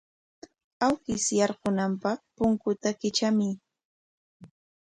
Awkish yaykunanpaq punkuta kitramuy.